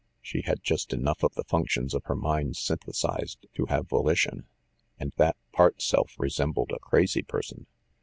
She had just enough of the functions of her mind synthesized to have voli tion, and that part self resembled a crazy person.